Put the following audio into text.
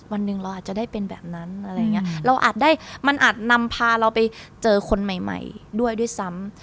วันหนึ่งเราอาจจะได้เป็นแบบนั้นมันอาจนำพาเราไปเจอคนใหม่ด้วยด้วยซ้ำ